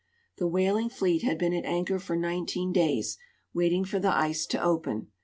The whaling fleet had been at anchor for 19 days, waiting lor the ice to open.